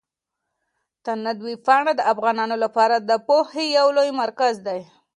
تاند ویبپاڼه د افغانانو لپاره د پوهې يو لوی مرکز دی.